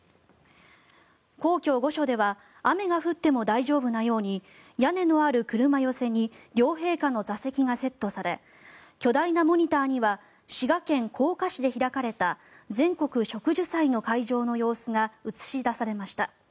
皇居・御所では雨が降っても大丈夫なように屋根のある車寄せに両陛下の座席がセットされ巨大なモニターには滋賀県甲賀市で開かれた全国植樹祭の会場の様子が映し出されました。